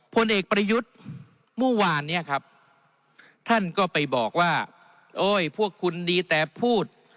ผลเอกประยุทธ์เมื่อวานเนี่ยครับท่านก็ไปบอกว่าโอ้ยพวกคุณดีแต่พูด